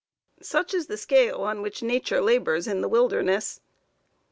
"Such is the scale on which Nature labors in the wilderness!